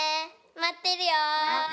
待ってるよ！